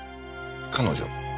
彼女？